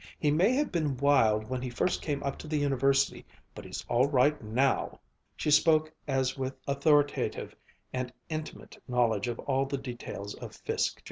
"He may have been wild when he first came up to the University, but he's all right now!" She spoke as with authoritative and intimate knowledge of all the details of Fiske, Jr.'